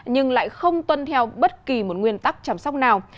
nhưng lại không tuân theo bất kỳ một nguyên tắc chăm sóc nào